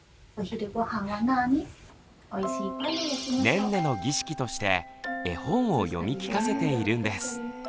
ねんねの儀式として絵本を読み聞かせているんです。